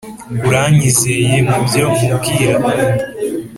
uranyizeye mubyo nku bwira